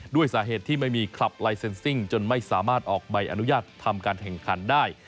ด้วยสาเหตุที่ไม่มีคลับลายเซ็นซิ่งจนไม่สามารถออกใบอนุญาตทำการแข่งขันได้